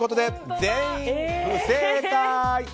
全員、不正解！